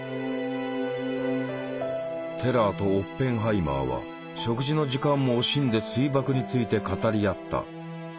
テラーとオッペンハイマーは食事の時間も惜しんで水爆について語り合った。